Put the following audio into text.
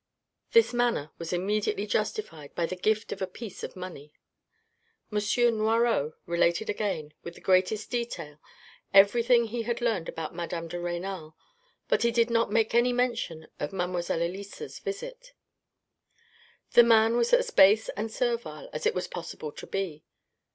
This manner was immediately justified by the gift of a piece of money. M. Noiraud related again, with the greatest detail, every thing he had learnt about madame de Renal, but he did not make any mention of mademoiselle Elisa's visit. The man was as base and servile as it was possible to be.